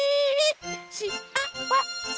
しあわせ！